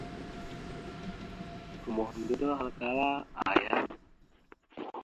Gomohəndoɗo ahalkala : aaya ?